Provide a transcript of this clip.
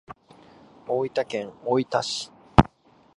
大分県大分市